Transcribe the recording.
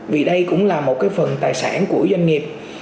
vì đây cũng là một cái phần tài sản của doanh nghiệp